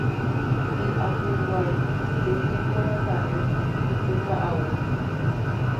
Hyapuvaipaitéjekoraka'e upe ka'aguy.